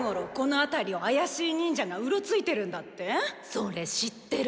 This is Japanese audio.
それ知ってる。